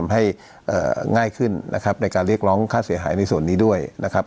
ให้ง่ายขึ้นนะครับในการเรียกร้องค่าเสียหายในส่วนนี้ด้วยนะครับ